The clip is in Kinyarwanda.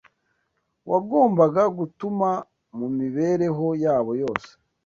wagombaga gutuma, mu mibereho yabo yose,